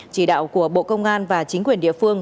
chỉ đạo của bộ công an và chính quyền địa phương